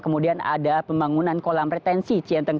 kemudian ada pembangunan kolam retensi cienteng